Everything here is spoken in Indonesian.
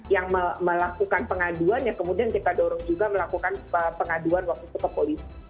yang melakukan pengaduan ya kemudian kita dorong juga melakukan pengaduan waktu itu ke polisi